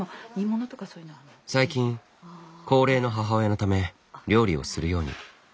最近高齢の母親のため料理をするように。